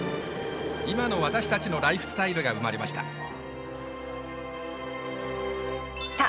今の私たちのライフスタイルが生まれましたさあ